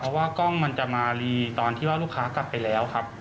เพราะว่ากล้องมันจะมารีตอนที่ว่าลูกค้ากลับไปแล้วครับ